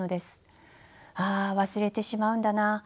「ああ忘れてしまうんだな。